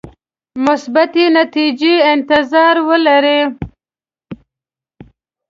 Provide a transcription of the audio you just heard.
مثبتې نتیجې انتظار ولري.